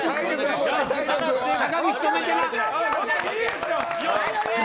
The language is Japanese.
高岸、止めてます。